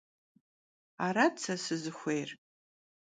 Arat se sızıxuêyr.